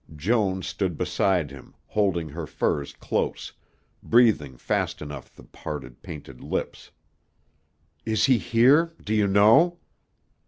Joan stood beside him, holding her furs close, breathing fast through the parted, painted lips. "Is he here, do you know?"